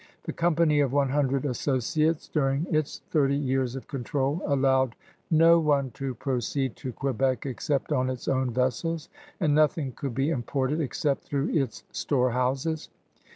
The Company of One Hundred Associates, during its thirty years of control, allowed no one to proceed to Quebec except on its own vessels, and nothing could be imported except through its storehouses.